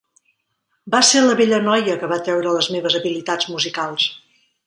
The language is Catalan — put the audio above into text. Va ser la vella noia que va treure les meves habilitats musicals.